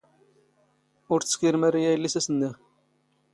ⵓⵔ ⵜⵙⴽⵉⵔ ⵎⴰⵔⵉ ⴰⵢⵍⵍⵉ ⵙ ⴰⵙ ⵏⵏⵉⵖ.